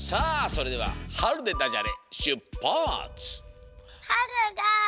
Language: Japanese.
それでは「はる」でダジャレしゅっぱつ！